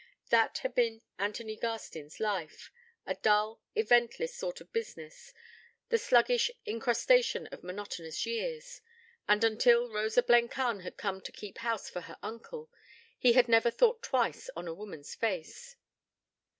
That had been Anthony Garstin's life a dull, eventless sort of business, the sluggish incrustation of monotonous years. And until Rosa Blencarn had come to keep house for her uncle, he had never thought twice on a woman's face.